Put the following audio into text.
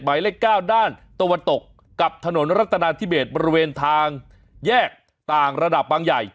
หมายเลข๙ด้านตะวันตกกับถนนรัฐนาธิเบสบริเวณทางแยกต่างระดับบางใหญ่